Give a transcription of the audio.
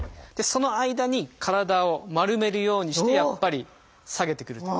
その間に体を丸めるようにして下げてくると。